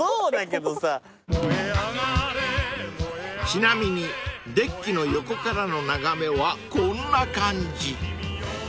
［ちなみにデッキの横からの眺めはこんな感じ］